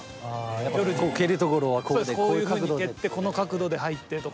こういうふうに蹴ってこの角度で入ってとか。